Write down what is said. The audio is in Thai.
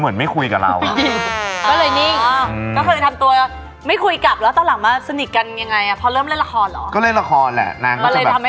เดี๋ยวเราจะเม้าอีกอีกเรื่อง